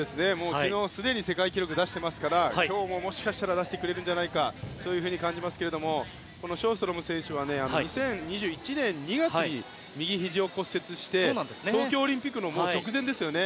昨日、すでに世界記録を出していますから今日ももしかしたら出してくれるんじゃそういうふうに感じますがショーストロム選手は２０２１年２月に右ひじを骨折して東京オリンピックの直前ですね